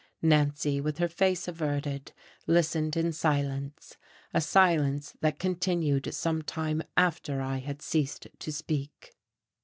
Nancy, with her face averted, listened in silence a silence that continued some time after I had ceased to speak.